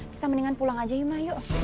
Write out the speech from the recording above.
kita mendingan pulang aja yuk mama